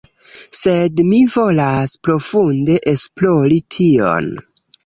sed mi volas profunde esplori tion